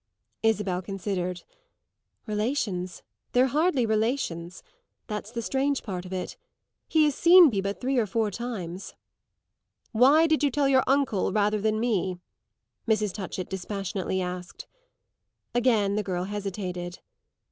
Isabel considered. "Relations? They're hardly relations. That's the strange part of it: he has seen me but three or four times." "Why did you tell your uncle rather than me?" Mrs. Touchett dispassionately asked. Again the girl hesitated.